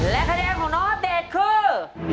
และข้าเด้ยของน้องอัปเดตคือ